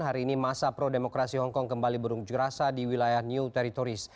hari ini masa pro demokrasi hongkong kembali berunjuk rasa di wilayah new teritoris